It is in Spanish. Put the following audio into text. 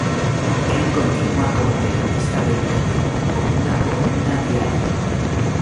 Él continúa como periodista de Milenio con una columna diaria.